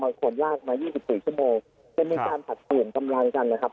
คนลากมา๒๔ชั่วโมงจะมีการผลัดเปลี่ยนกำลังกันนะครับ